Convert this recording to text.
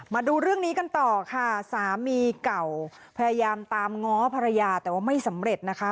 มาดูเรื่องนี้กันต่อค่ะสามีเก่าพยายามตามง้อภรรยาแต่ว่าไม่สำเร็จนะคะ